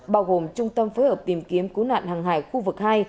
bao gồm trung tâm phối hợp tìm kiếm cứu nạn hàng hải khu vực hai